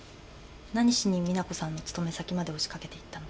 何しに実那子さんの勤め先まで押しかけていったのか。